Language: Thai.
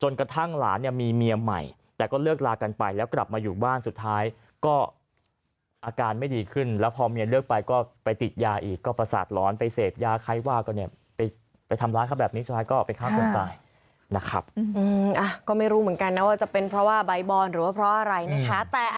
กระทั่งหลานเนี่ยมีเมียใหม่แต่ก็เลิกลากันไปแล้วกลับมาอยู่บ้านสุดท้ายก็อาการไม่ดีขึ้นแล้วพอเมียเลิกไปก็ไปติดยาอีกก็ประสาทร้อนไปเสพยาใครว่าก็เนี่ยไปทำร้ายเขาแบบนี้สุดท้ายก็ไปฆ่าคนตายนะครับก็ไม่รู้เหมือนกันนะว่าจะเป็นเพราะว่าใบบอลหรือว่าเพราะอะไรนะคะ